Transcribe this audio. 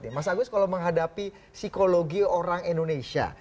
jadi pak yus kalau menghadapi psikologi orang indonesia